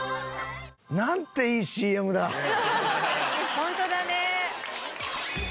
ホントだね。